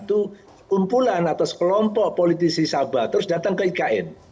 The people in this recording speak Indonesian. itu kumpulan atau sekelompok politisi sabah terus datang ke ikn